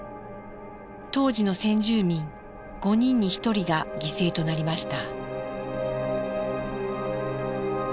当時の先住民５人に１人が犠牲となりました。